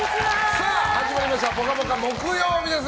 さあ、始まりました「ぽかぽか」木曜日です！